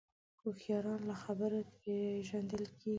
هوښیاران له خبرو پېژندل کېږي